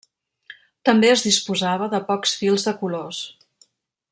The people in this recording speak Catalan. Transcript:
També es disposava de pocs fils de colors.